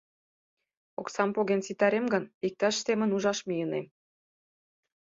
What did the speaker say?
Оксам поген ситарем гын, иктаж-семын ужаш мийынем».